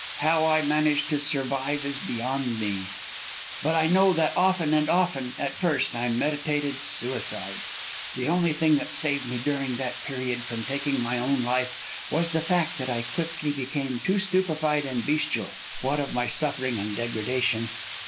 How I managed to survive is beyond me; but I know that often and often, at first, I meditated suicide. The only thing that saved me during that period from taking my own life was the fact that I quickly became too stupefied and bestial, what of my suffering and degradation.